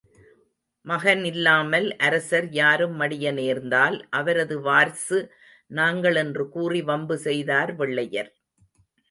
மகன் இல்லாமல் அரசர் யாரும் மடிய நேர்ந்தால் அவரது வார்சு நாங்கள் என்றுகூறி வம்பு செய்தார் வெள்ளையர்.